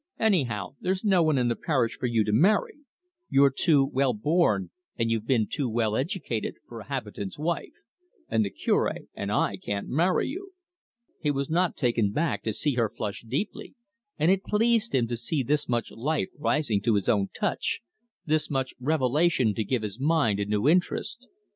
Anyhow, there's no one in the parish for you to marry. You're too well born and you've been too well educated for a habitant's wife and the Cure or I can't marry you." He was not taken back to see her flush deeply, and it pleased him to see this much life rising to his own touch, this much revelation to give his mind a new interest.